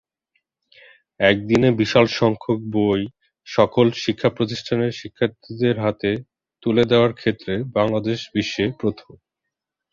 একদিনে বিশাল সংখ্যক বই সকল শিক্ষাপ্রতিষ্ঠানের শিক্ষার্থীদের হাতে তুলে দেওয়ার ক্ষেত্রে বাংলাদেশ বিশ্বে প্রথম।